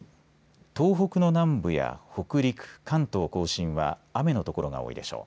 東北の南部や北陸、関東甲信は雨の所が多いでしょう。